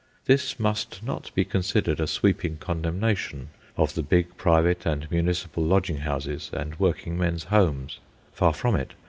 This must not be considered a sweeping condemnation of the big private and municipal lodging houses and working men's homes. Far from it.